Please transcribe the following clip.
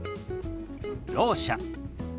「ろう者」。